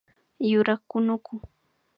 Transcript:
Yurak kunuku